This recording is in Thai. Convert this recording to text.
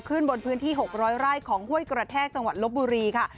บนพื้นที่๖๐๐ไร่ของห้วยกระแทกจังหวัดลบบุรีค่ะ